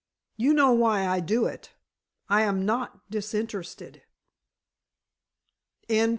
"You know why I do it. I am not disinterested."